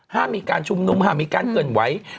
ห้ามมีการชุมนุมห้ามมีการเคลื่อนไหว